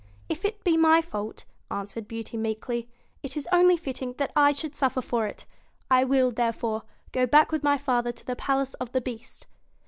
'If it be my fault,' answered Beauty meekly, 'it is only fitting that I should suffer for it. I will, there fore, go back with my father to the palace of the Beast.'